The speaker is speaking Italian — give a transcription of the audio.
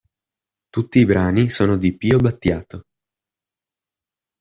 Tutti i brani sono di Pio-Battiato.